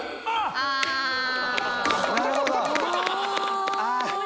ああ。